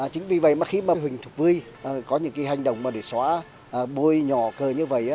chính vì vậy mà khi mà huỳnh thục vy có những cái hành động để xóa bôi nhỏ cờ như vậy